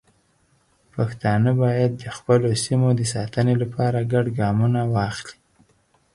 پښتانه باید د خپلو سیمو د ساتنې لپاره ګډ ګامونه واخلي.